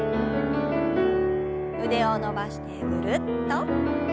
腕を伸ばしてぐるっと。